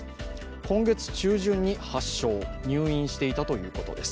今月中旬に発症、入院していたということです。